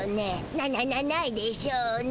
なななないでしょうねえ。